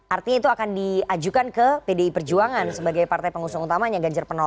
artinya itu akan diajukan ke pdi perjuangan sebagai partai pengusung utamanya ganjar pranowo